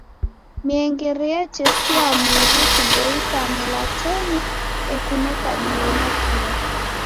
Miengere yatesia muw'i kuboisa melatoni ekuneka dilo nakio.